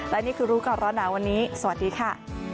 และนี่คือรู้ก่อนร้อนหนาวันนี้สวัสดีค่ะ